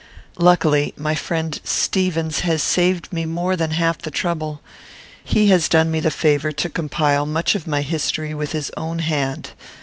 "Luckily, my friend Stevens has saved me more than half the trouble. He has done me the favour to compile much of my history with his own hand.